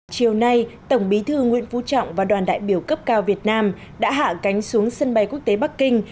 chiều nay tổng bí thư nguyễn phú trọng và đoàn đại biểu cấp cao việt nam đã hạ cánh xuống sân bay quốc tế bắc kinh